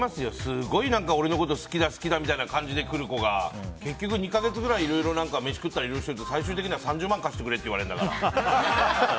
すごい、俺のこと好きだ好きだみたいな感じで来る子が結局、２か月くらいいろいろめし食ったりしてたけど最終的には３０万貸してくれって言われるんだから。